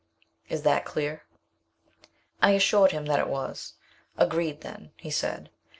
Is that clear?" I assured him that it was. "Agreed then," he said.